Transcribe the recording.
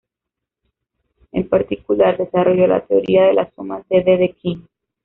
En particular, desarrolló la teoría de las sumas de Dedekind.